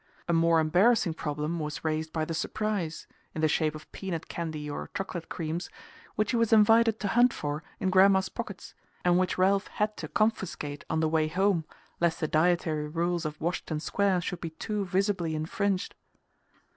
A more embarrassing problem was raised by the "surprise" (in the shape of peanut candy or chocolate creams) which he was invited to hunt for in Gran'ma's pockets, and which Ralph had to confiscate on the way home lest the dietary rules of Washington Square should be too visibly infringed.